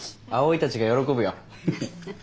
葵たちが喜ぶよ。